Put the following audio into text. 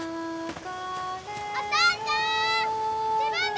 お父ちゃん！